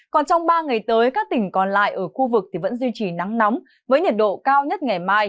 còn trong ba ngày tới các tỉnh còn lại ở khu vực vẫn duy trì nắng nóng với nhiệt độ cao nhất ngày mai